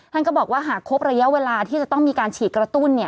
ท่านก็บอกว่าหากครบระยะเวลาที่จะต้องมีการฉีดกระตุ้น